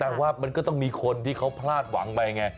ว่ามันก็ต้องมีคนที่เขาพลาดหวังไปไง